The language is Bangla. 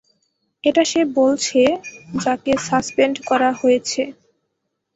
এটা সে বলছে, যাকে সাসপেন্ড করা হয়েছে।